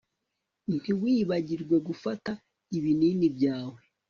Ntiwibagirwe gufata ibinini byawe